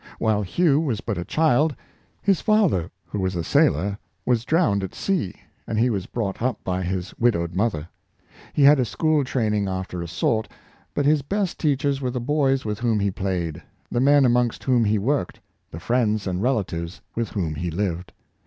While Hugh was but a child, his father, who was a sailor, was drowned at sea, and he was brought up by his widowed mother. He had a school training after a sort, but his best teachers were the boys with whom he played, the men amongst whom he worked, the friends and relatives with whom he lived.